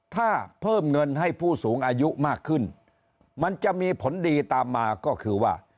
ถ้าเพิ่มเงินให้ผู้สูงอายุมากขึ้นมันจะมีผลดีตามมาก็คือว่า